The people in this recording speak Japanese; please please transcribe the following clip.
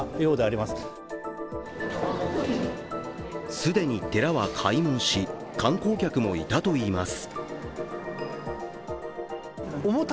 既に、寺は開門し観光客もいたといいます。